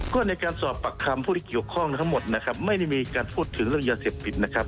ก็ในการสอบปากคำผู้ที่เกี่ยวข้องทั้งหมดนะครับไม่ได้มีการพูดถึงเรื่องยาเสพติดนะครับ